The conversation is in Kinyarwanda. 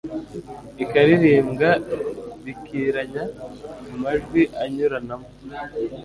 ikaririmbwa bikiranya mu majwi anyuranamo